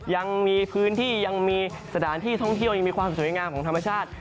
ยังมีพื้นที่ยังมีสถานที่ท่องเที่ยวยังมีความสวยงามของธรรมชาติ